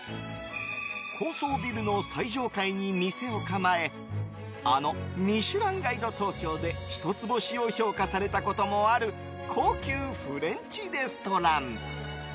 高層ビルの最上階に店を構えあの「ミシュランガイド東京」で一つ星を評価されたこともある高級フレンチレストラン。